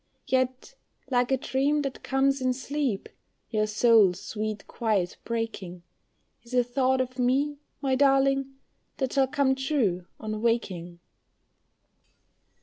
Yet like a dream that comes in sleep, your soul sweet quiet breaking, Is a thought of me, my darling, that shall come true on waking.